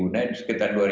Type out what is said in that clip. naik sekitar dua ribu